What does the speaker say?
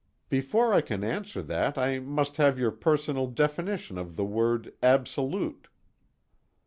"Before I can answer that I must have your personal definition of the word 'absolute'."